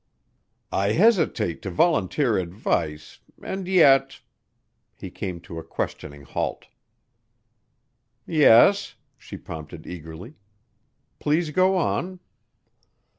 "I hesitate to volunteer advice and yet " He came to a questioning halt. "Yes," she prompted eagerly. "Please go on."